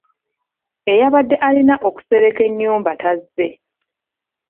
Eyabadde alina okusereka ennyumba tazze.